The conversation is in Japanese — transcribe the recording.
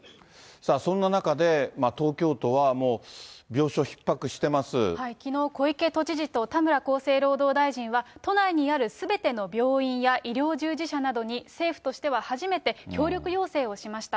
そんな中で、きのう、小池都知事と田村厚生労働大臣は、都内にあるすべての病院や医療従事者などに、政府としては初めて協力要請をしました。